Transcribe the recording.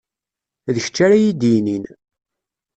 D kečč ara iyi-d-yinin.